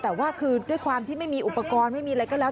แต่ว่าคือด้วยความที่ไม่มีอุปกรณ์ไม่มีอะไรก็แล้ว